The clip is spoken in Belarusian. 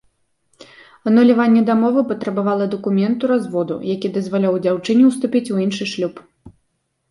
Ануляванне дамовы патрабавала дакументу разводу, які дазваляў дзяўчыне ўступіць у іншы шлюб.